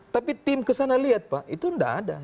tapi tim kesana lihat pak itu tidak ada